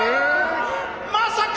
まさか！